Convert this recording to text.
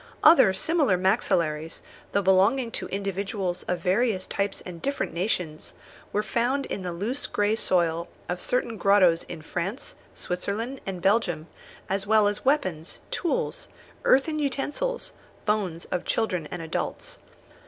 Other similar maxillaries, though belonging to individuals of various types and different nations, were found in the loose grey soil of certain grottoes in France, Switzerland, and Belgium, as well as weapons, tools, earthen utensils, bones of children and adults.